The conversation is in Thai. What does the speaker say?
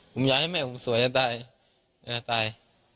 ผมอยากให้แม่ผมสวยกันได้แต่ละตาย